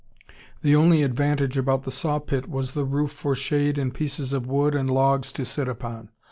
The only advantage about the saw pit was the roof for shade and pieces of wood and logs to sit upon.